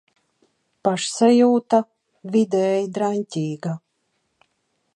Pašsajūta - vidēji draņķīga.